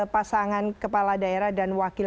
pasangan kepala daerah dan wakil